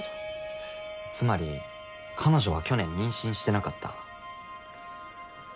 つまり彼女は去年妊娠してなかった。